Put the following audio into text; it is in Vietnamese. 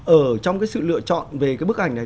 ở trong cái sự lựa chọn về cái bức ảnh này